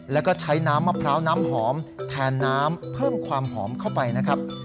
แล้วก็ใช้น้ำมะพร้าวน้ำหอมแทนน้ำเพิ่มความหอมเข้าไปนะครับ